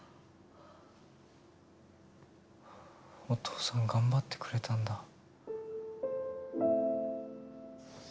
お父さん頑張ってくれたんだ。